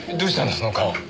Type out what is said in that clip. その顔。